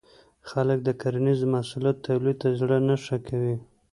خلک د کرنیزو محصولاتو تولید ته زړه نه ښه کوي.